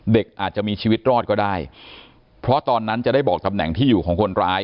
เด็กอาจจะมีชีวิตรอดก็ได้เพราะตอนนั้นจะได้บอกตำแหน่งที่อยู่ของคนร้าย